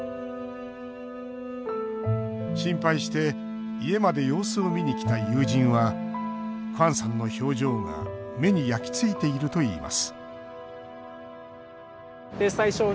心配して家まで様子を見に来た友人はクアンさんの表情が目に焼きついているといいます